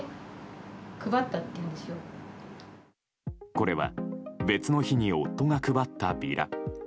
これは別の日に夫が配ったビラ。